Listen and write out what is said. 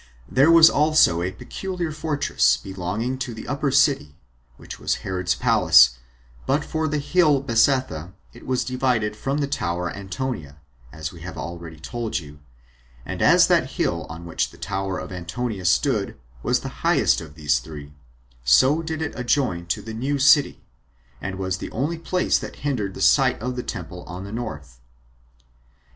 There was also a peculiar fortress belonging to the upper city, which was Herod's palace; but for the hill Bezetha, it was divided from the tower Antonia, as we have already told you; and as that hill on which the tower of Antonia stood was the highest of these three, so did it adjoin to the new city, and was the only place that hindered the sight of the temple on the north.